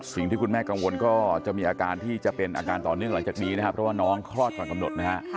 สิ่งที่คุณแม่กังวลก็จะมีอาการที่จะเป็นอาการต่อเนื่องหลังจากนี้นะครับเพราะว่าน้องคลอดก่อนกำหนดนะฮะ